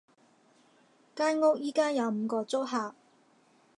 間屋而家有五個租客